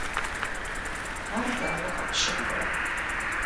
Ар дауэ къыпщыхъурэ?